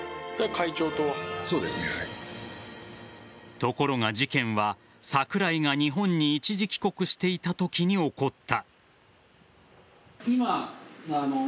ところが、事件は桜井が日本に一時帰国していたときに起こった。